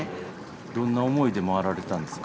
どんな思いで回られたんですか？